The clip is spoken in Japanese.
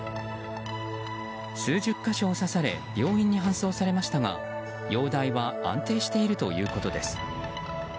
数十か所を刺され病院に搬送されましたが容体は安定しているということです。